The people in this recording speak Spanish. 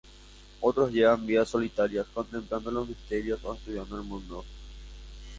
Otros llevan vidas solitarias, contemplando los misterios o estudiando el mundo.